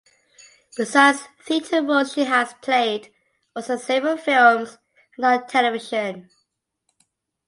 Besides theatre roles she has played also in several films and on television.